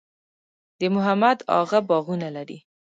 د محمد اغه باغونه لري